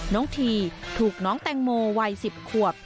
น้องทีถูกน้องแตงโมวัย๑๐ขวบ